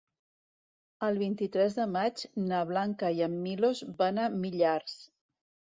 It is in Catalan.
El vint-i-tres de maig na Blanca i en Milos van a Millars.